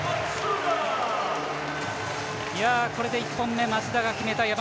これで一本目、松田が決めた。